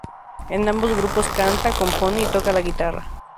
En ambos grupos canta, compone y toca la guitarra.